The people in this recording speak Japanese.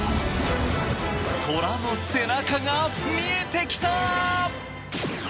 虎の背中が見えてきた！